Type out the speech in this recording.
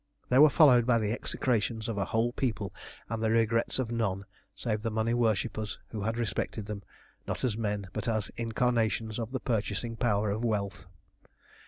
They were followed by the execrations of a whole people and the regrets of none save the money worshippers who had respected them, not as men, but as incarnations of the purchasing power of wealth.